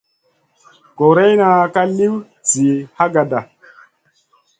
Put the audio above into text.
Guroyna ka liw sih hagada.